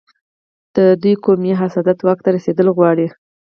د دوی قومي حسادت واک ته رسېدل غواړي.